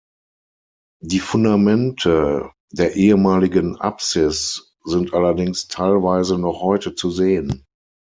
Die Fundamente der ehemaligen Apsis sind allerdings teilweise noch heute zu sehen.